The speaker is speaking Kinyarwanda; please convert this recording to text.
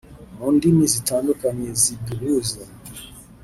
mu ndimi zitandukanye ziduhuza